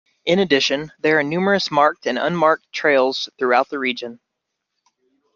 In addition, there are numerous marked and unmarked trails throughout the region.